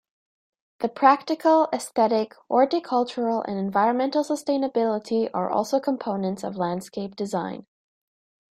The practical, aesthetic, horticultural, and environmental sustainability are also components of landscape design.